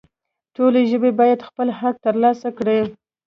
ټولې ژبې باید خپل حق ترلاسه کړي